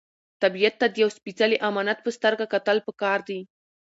طبیعت ته د یو سپېڅلي امانت په سترګه کتل پکار دي.